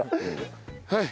はい！